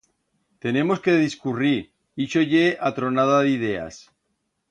Tenemos que discurrir, ixo ye a tronada d'ideas.